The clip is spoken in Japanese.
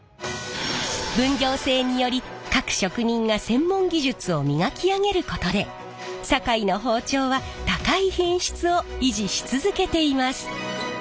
分業制により各職人が専門技術を磨き上げることで堺の包丁は高い品質を維持し続けています。